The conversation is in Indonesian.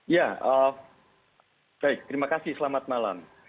ya baik terima kasih selamat malam